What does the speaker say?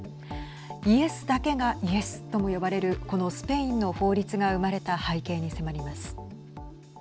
イエスだけがイエスとも呼ばれるこのスペインの法律が生まれた背景に迫ります。